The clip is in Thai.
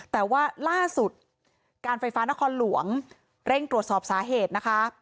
แต่ว่าล่าสุดการไฟฟ้านครหลวงเร่งตรวจสอบสาเหตุนะคะ